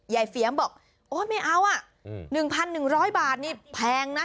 เปียมบอกโอ๊ยไม่เอาอ่ะ๑๑๐๐บาทนี่แพงนะ